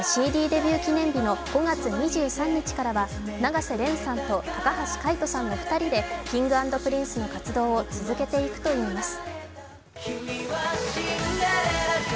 デビュー記念日の５月２３日からは永瀬廉さんと高橋海人さんの２人でＫｉｎｇ＆Ｐｒｉｎｃｅの活動を続けていくといいます。